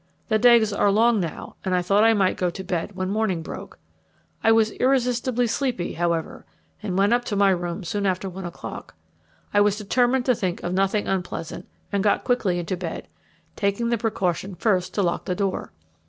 The days are long now, and I thought I might go to bed when morning broke. I was irresistibly sleepy, however, and went up to my room soon after one o'clock. I was determined to think of nothing unpleasant, and got quickly into bed, taking the precaution first to lock the door.